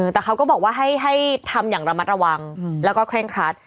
แต่เขาก็บอกว่าให้ทำอย่างระมัดระวังแล้วก็เคร่งครัด